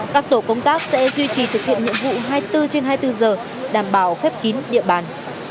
các tổ công tác sẽ duy trì thực hiện nhiệm vụ hai mươi bốn trên hai mươi bốn giờ đảm bảo khép kín địa bàn